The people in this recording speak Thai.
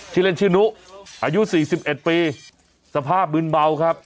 ชื่อเล่นชื่อนุอายุ๔๑ปีสภาพมืนเมาครับ